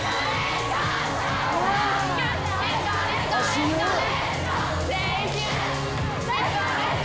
すごい！